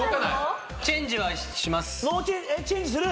チェンジはします。